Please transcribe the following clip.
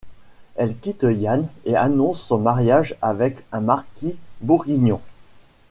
Elle quitte Yann et annonce son mariage avec un marquis bourguignon !